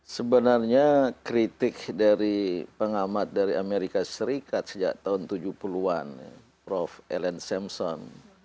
sebenarnya kritik dari pengamat dari amerika serikat sejak tahun tujuh puluh an prof ellen samson